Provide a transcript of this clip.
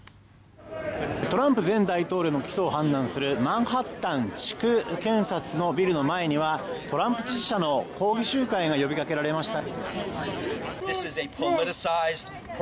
トランプ前大統領の起訴を判断するマンハッタン地区検察のビルの前にはトランプ支持者の抗議集会が呼びかけられました。